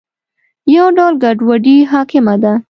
یو ډول ګډوډي حاکمه ده.